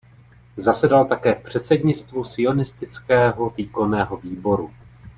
Zasedal také v předsednictvu sionistického výkonného výboru.